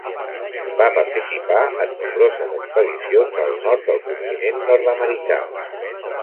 Va participar en nombroses expedicions al nord del continent nord-americà.